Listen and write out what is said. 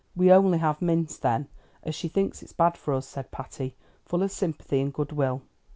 We only have mince then, as she thinks it's bad for us," said Patty, full of sympathy and good will.